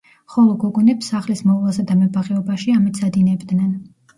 ხოლო გოგონებს სახლის მოვლასა და მებაღეობაში ამეცადინებდნენ.